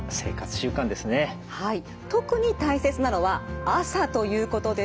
特に大切なのは朝ということです。